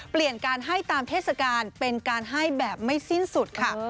เปลี่ยนการให้ตามเทศกาลเป็นการให้แบบไม่สิ้นสุดค่ะ